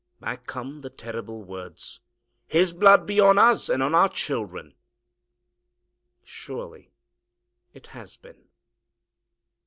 Back come the terrible words, "His blood be on us and on our children." Surely it has been!